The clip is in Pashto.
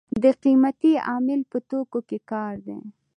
د قیمتۍ عامل په توکو کې کار دی.